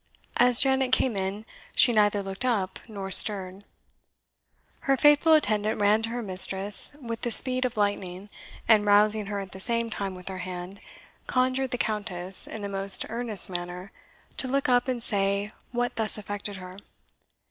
As Janet came in, she neither looked up nor stirred. Her faithful attendant ran to her mistress with the speed of lightning, and rousing her at the same time with her hand, conjured the Countess, in the most earnest manner, to look up and say what thus affected her.